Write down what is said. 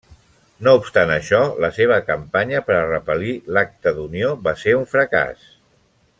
No obstant això, la seva campanya per a 'repel·lir' l'Acta d'Unió va ser un fracàs.